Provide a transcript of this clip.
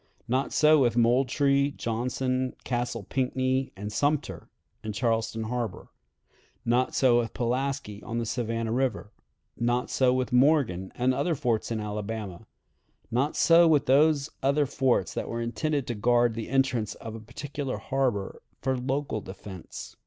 Not so with Moultrie, Johnson, Castle Pinckney, and Sumter, in Charleston Harbor; not so with Pulaski, on the Savannah River; not so with Morgan and other forts in Alabama; not so with those other forts that were intended to guard the entrance of a particular harbor for local defense....